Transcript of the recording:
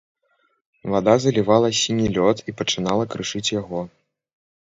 Вада залівала сіні лёд і пачынала крышыць яго.